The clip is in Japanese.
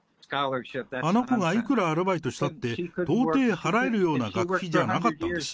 あの子がいくらアルバイトしたって、到底、払えるような学費じゃなかったんです。